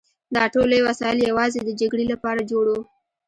دا ټول لوی وسایل یوازې د جګړې لپاره جوړ وو